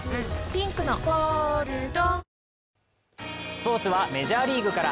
スポーツはメジャーリーグから。